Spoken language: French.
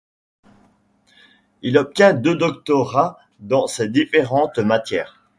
Il obtient deux doctorats dans ces différentes matières.